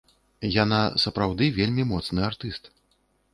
Яна сапраўды вельмі моцны артыст.